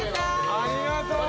ありがとう！